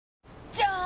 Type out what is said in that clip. じゃーん！